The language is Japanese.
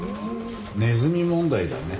ネズミ問題だね。